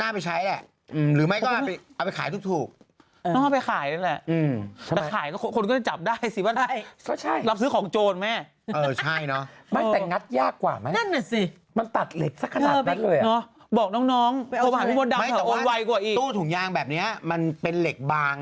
พื้นที่ที่จะเข้ากรุงเทพฯมหาลังค์ตอนนี้เป็นอย่างไรบ้าง